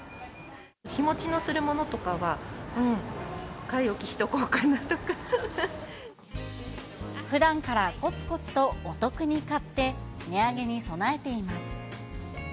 日持ちのするものとかは買いふだんからこつこつとお得に買って、値上げに備えています。